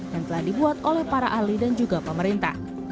yang telah dibuat oleh para ahli dan juga pemerintah